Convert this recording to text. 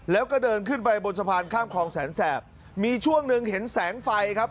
แล้วก็เดินขึ้นไปบนสะพานข้ามคลองแสนแสบมีช่วงหนึ่งเห็นแสงไฟครับ